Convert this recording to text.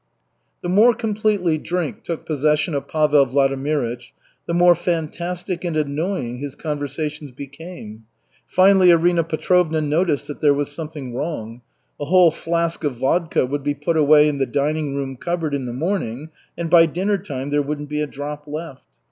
The more completely drink took possession of Pavel Vladimirych, the more fantastic and annoying his conversations became. Finally Arina Petrovna noticed there was something wrong. A whole flask of vodka would be put away in the dining room cupboard in the morning, and by dinner time there wouldn't be a drop left.